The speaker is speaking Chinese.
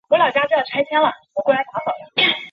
后屡有增修。